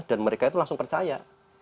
dan mereka itu langsung percaya